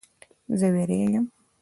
زه ویریږم